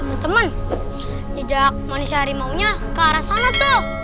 temen temen jejak manusia harimaunya ke arah sana tuh